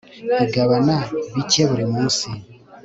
Igabana bike buri munsi